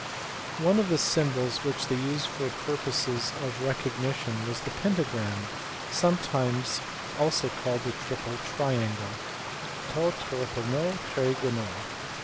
One of the symbols which they used for purposes of re cognftion was the pentagram, sometimes also called the triple triangle TO rpLirXovv r/otywi/ov.